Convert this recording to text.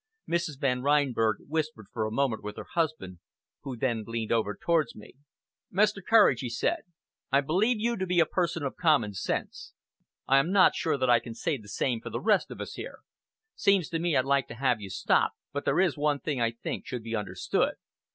Mrs. Van Reinberg whispered for a moment with her husband, who then leaned over towards me. "Mr. Courage," he said, "I believe you to be a person of common sense. I am not sure that I can say the same for the rest of us here. Seems to me I'd like to have you stop; but there is one thing I think should be understood.